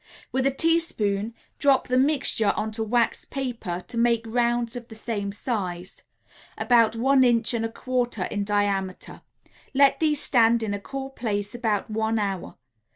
With a teaspoon drop the mixture onto waxed paper to make rounds of the same size about one inch and a quarter in diameter let these stand in a cool place about one hour.